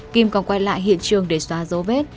kim còn quay lại hiện trường để xóa dấu vết